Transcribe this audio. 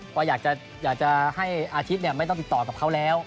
เพราะอยากจะให้อาทิตย์ไม่ต้องติดต่อกับเขาแล้ว